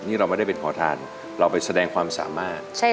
นี่เราไม่ได้เป็นขอทานเราไปแสดงความสามารถ